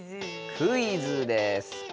クイズです。